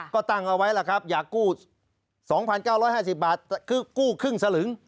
ก็ตั้งเอาไว้ล่ะครับอยากกู้๒๙๕๐บาทคือกู้ครึ่งสลึง